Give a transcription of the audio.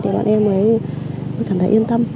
thì bạn em mới cảm thấy yên tâm